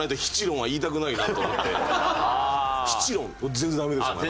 全然ダメですもんね